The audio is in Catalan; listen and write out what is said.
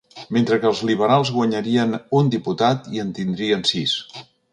Mentre que els liberals guanyarien un diputat i en tindrien sis.